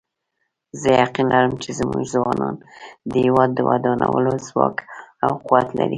زه یقین لرم چې زموږ ځوانان د هیواد د ودانولو ځواک او قوت لري